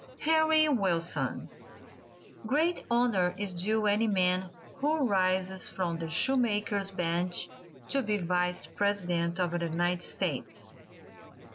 HENRY WILSON. Great honor is due any man who rises from the shoe maker's bench to be Vice President of the United States.